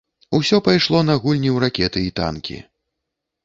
Усё пайшло на гульні ў ракеты й танкі.